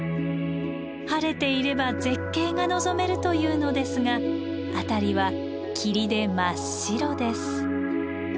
晴れていれば絶景が望めるというのですが辺りは霧で真っ白です。